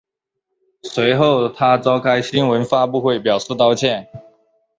随后他召开新闻发布会表示道歉。